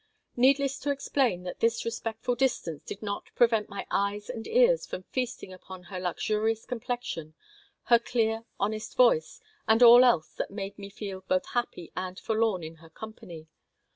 Needless to explain that this respectful distance did not prevent my eyes and ears from feasting upon her luxurious complexion, her clear, honest voice, and all else that made me feel both happy and forlorn in her company.